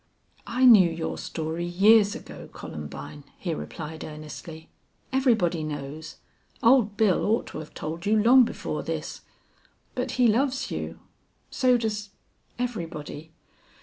"I knew your story years ago, Columbine," he replied, earnestly. "Everybody knows. Old Bill ought to have told you long before this. But he loves you. So does everybody.